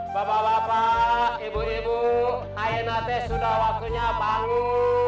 bapak bapak ibu ibu ayo nate sudah waktunya bangun